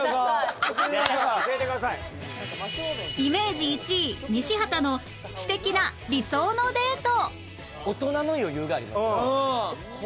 イメージ１位西畑の知的な理想のデート